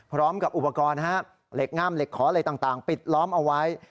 พร้อมกับอุปกรณ์เหล็กง่ามเหล็กขออะไรต่างปิดล้อมเอาไว้